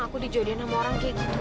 aku dijodohin sama orang kayak gitu